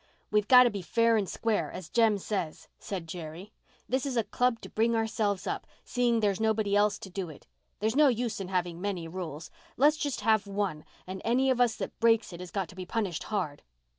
"We've got to be fair and square, as Jem says," said Jerry. "This is a club to bring ourselves up, seeing there's nobody else to do it. There's no use in having many rules. Let's just have one and any of us that breaks it has got to be punished hard."